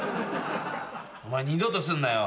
お前二度とするなよ。